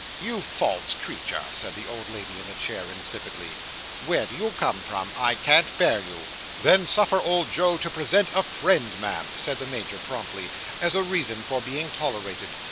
"You false creature!" said the old lady in the chair, insipidly. "Where do you come from? I can't bear you." "Then suffer old Joe to present a friend, Ma'am," said the Major, promptly, "as a reason for being tolerated.